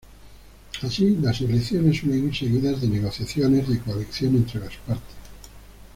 Así, las elecciones suelen ir seguidas de negociaciones de coalición entre las partes.